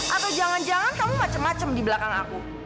atau jangan jangan kamu macem macem di belakang aku